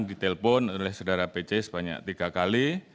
ditelepon oleh saudara pc sebanyak tiga kali